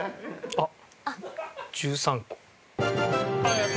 あっ。